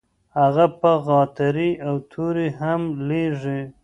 هغه به غاترې او توري هم لیږي.